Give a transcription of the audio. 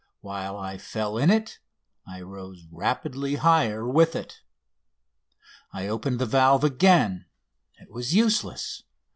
While I fell in it I rose rapidly higher with it. I opened the valve again; it was useless.